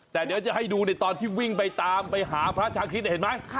แต่เดี๋ยวจะให้ดูในตอนที่วิ่งไปตามไปหาพระชาคิดเห็นไหม